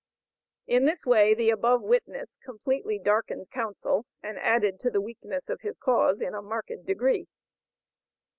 In this way the above witness completely darkened counsel, and added to the weakness of his cause in a marked degree.